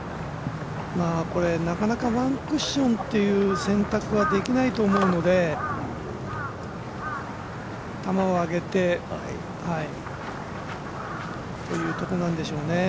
なかなか１クッションっていう選択はできないと思うので球を上げてというところなんでしょうね。